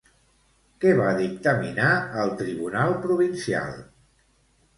Què va dictaminar el tribunal provincial?